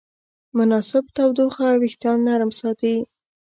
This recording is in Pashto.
مناسب تودوخه وېښتيان نرم ساتي.